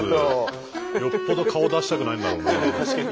よっぽど顔出したくないんだろうな。